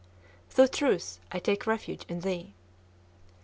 (Thou Truth, I take refuge in thee.)